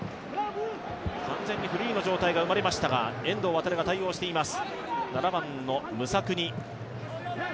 完全にフリーの状態が生まれましたが、遠藤航が対応しています。